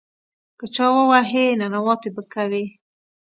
که چا ووهې، ننواتې به کوې.